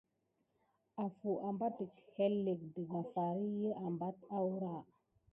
Afu abatik yelinke daka far ki apat aoura.